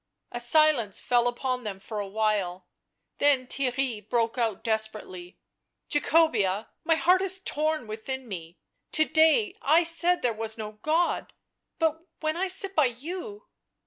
A silence fell upon them for a while, then Theirry broke out desperately: "Jacobea — my heart is torn within me — to day I said there was no God — but when I sit by you